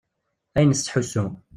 Ayen tettḥussu.